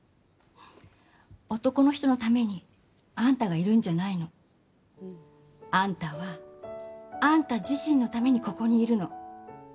男の人のためにあんたがいるんじゃないの。あんたはあんた自身のためにここにいるの。